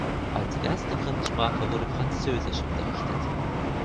Als erste Fremdsprache wurde Französisch unterrichtet.